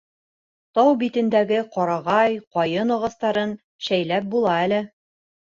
Тау битендәге ҡарағай, ҡайын ағастарын шәйләп була әле.